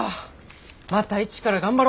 また一から頑張ろ！